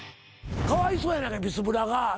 かわいそうやないかビスブラがでも。